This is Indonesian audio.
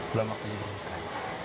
belum makan juga mirta